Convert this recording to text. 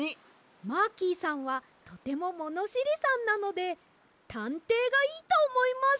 マーキーさんはとてもものしりさんなのでたんていがいいとおもいます